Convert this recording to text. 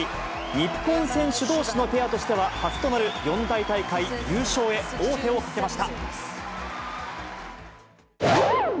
日本選手どうしのペアとしては初となる四大大会優勝へ王手をかけました。